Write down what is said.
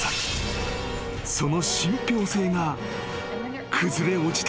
［その信ぴょう性が崩れ落ちた瞬間だった］